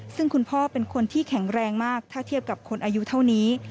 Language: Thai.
ซึ่งคุณพ่อเป็นคนที่แข็งแรงมากถ้าเทียบกับคนอายุเท่านี้